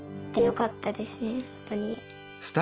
よかったですね。